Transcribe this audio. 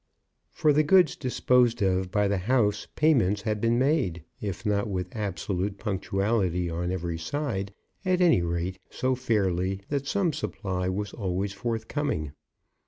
For the goods disposed of by the house payments had been made, if not with absolute punctuality on every side, at any rate so fairly that some supply was always forthcoming.